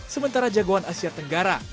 sementara jagoan asia tenggara